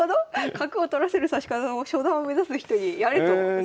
角を取らせる指し方を初段を目指す人にやれと先生。